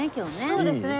そうですね。